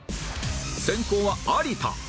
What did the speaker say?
先攻は有田